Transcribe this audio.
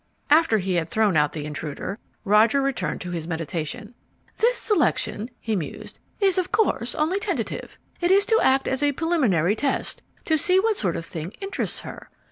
After he had thrown out the intruder, Roger returned to his meditation. "This selection," he mused, "is of course only tentative. It is to act as a preliminary test, to see what sort of thing interests her.